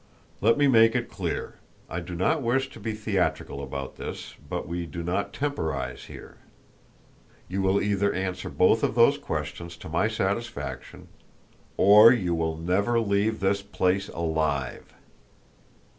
"Let me make it clear. I do not wish to be theatrical about this, but we do not temporise here. You will either answer both of those questions to my satisfaction, OR YOU WILL NEVER LEAVE THIS PLACE ALIVE."